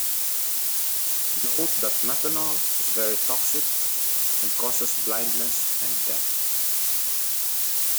Note that methanol is very toxic and causes blindness and death.